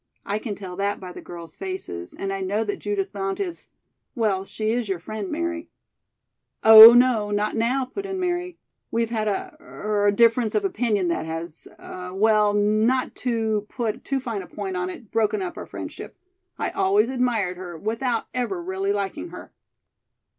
I can tell that by the girls' faces, and I know that Judith Blount is well, she is your friend, Mary " "Oh, no; not now," put in Mary. "We've had a er difference of opinion that has well, not to put too fine a point on it, broken up our friendship. I always admired her, without ever really liking her."